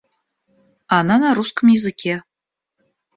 Она на русском языке